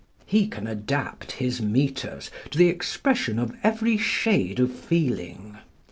He can adapt his metres to the expression of every shade of feeling.